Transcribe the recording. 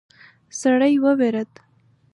سړی وویرید.